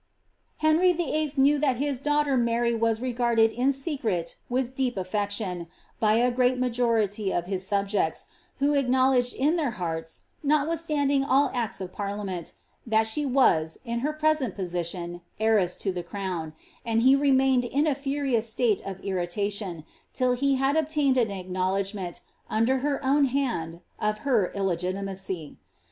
Henry VIII. knew thit his daughter Mary was regarded in secret with deep affection, by a great majority of his subjects, who acknowledged in their hearts (notwitKstanding all acts of parliament) that she was, in her liresent position, heiress to tlie crown ; and he remained in a furious state of irritation, till he had obtained an acknowledgment, under her own hand, of her illegitimacy.